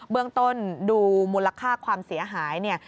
เบื้องต้นดูมูลค่าความเสียหายเนี่ย